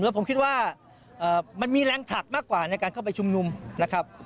ผมคิดว่ามันมีแรงผลักมากกว่าในการเข้าไปชุมนุมนะครับ